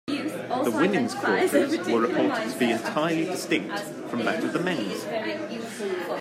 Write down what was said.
The women's quarters were reported to be "entirely distinct" from that of the men's.